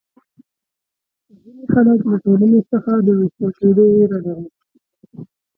ځینې خلک له ټولنې څخه د وېستل کېدو وېره لري.